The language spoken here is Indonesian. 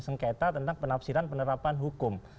sengketa tentang penafsiran penerapan hukum